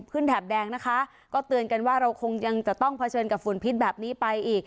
แถบแดงนะคะก็เตือนกันว่าเราคงยังจะต้องเผชิญกับฝุ่นพิษแบบนี้ไปอีก